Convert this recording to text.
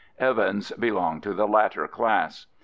Evans belonged to the latter class.